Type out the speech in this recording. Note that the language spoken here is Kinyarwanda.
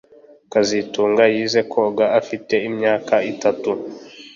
kazitunga yize koga afite imyaka itatu